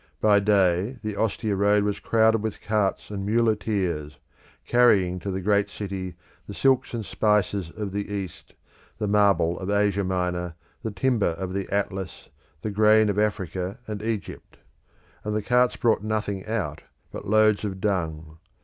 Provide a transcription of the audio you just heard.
By day the Ostia road was crowded with carts and muleteers, carrying to the great city the silks and spices of the East, the marble of Asia Minor, the timber of the Atlas, the grain of Africa and Egypt; and the carts brought nothing out but loads of dung.